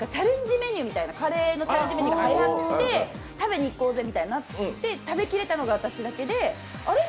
メニューみたいなのがはやって食べに行こうぜみたいになって、食べきれたのが私だけで、あれ？